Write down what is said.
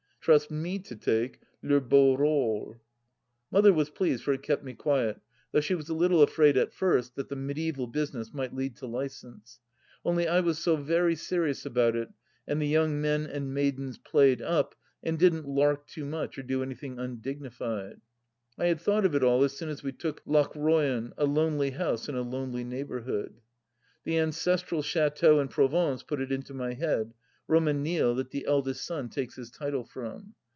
Trust me to take le beau role I Mother was pleased, for it kept me quiet, though she was a little afraid at first that the mediaeval business " might lead to license." Only I was so very serious about it, and the young men and maidens played up, and didn't lark too much or do anything undignified. I had thought of it all as soon as we took Lochroyan, a lonely house in a lonely neighbourhood. The ancestral chateau in Provence put it into my head — Romanille, that the eldest son takes his title from.